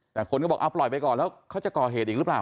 แต่คนก็บอกเอาปล่อยไปก่อนแล้วเขาจะก่อเหตุอีกหรือเปล่า